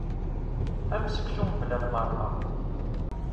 Am seksu mebla lmerqa.